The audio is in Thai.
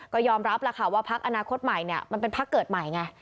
ก็ยอมรับแล้วค่ะว่าพักอนาคตใหม่เนี่ยมันเป็นพักเกิดใหม่ไง